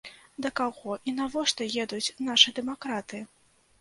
Да каго і навошта едуць нашы дэмакраты?